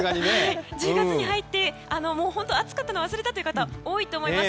１０月に入って暑かったのを忘れたという方多いと思います。